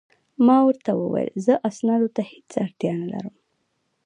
ما ورته وویل: زه اسنادو ته هیڅ اړتیا نه لرم.